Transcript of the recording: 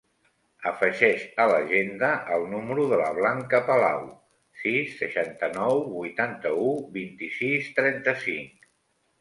Afegeix a l'agenda el número de la Blanca Palau: sis, seixanta-nou, vuitanta-u, vint-i-sis, trenta-cinc.